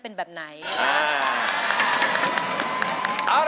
เห็นไหม